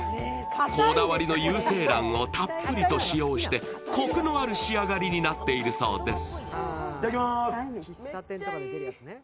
こだわりの有精卵をたっぷりと使用して、コクのある仕上がりになっているそうです。